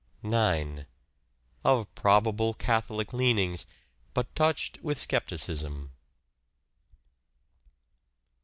9. Of probable Catholic leanings, but touched with scepticism.